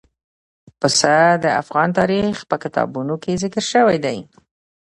پسه د افغان تاریخ په کتابونو کې ذکر شوي دي.